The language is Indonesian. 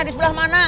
di sebelah mana